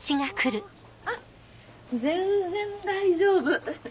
あっ全然大丈夫。